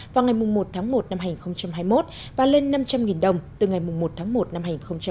vào ngày một tháng một năm hai nghìn hai mươi một và lên năm trăm linh đồng từ ngày một tháng một năm hai nghìn hai mươi